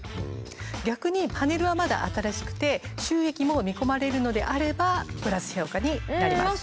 逆にパネルはまだ新しくて収益も見込まれるのであればプラス評価になります。